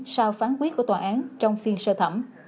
sau phán quyết của tòa án trong phiên sơ thẩm